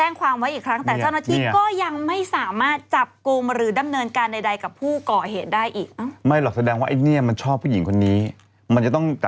นี่มันพอดีอีกนะ